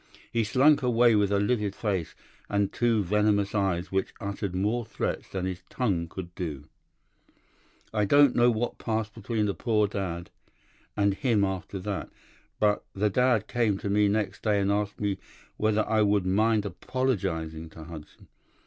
He slunk away with a livid face and two venomous eyes which uttered more threats than his tongue could do. I don't know what passed between the poor dad and him after that, but the dad came to me next day and asked me whether I would mind apologising to Hudson.